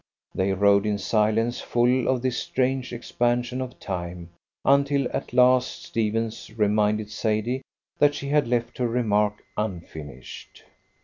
They rode in silence, full of this strange expansion of time, until at last Stephens reminded Sadie that she had left her remark unfinished.